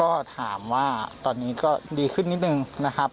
ก็ถามว่าตอนนี้ก็ดีขึ้นนิดนึงนะครับ